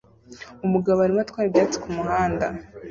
Umugabo arimo atwara ibyatsi kumuhanda